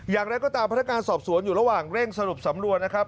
อย่างไรก็ตามพนักการสอบสวนอยู่ระหว่างเร่งสรุปสำนวนนะครับ